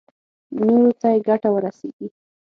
نورو ته يې ګټه ورسېږي.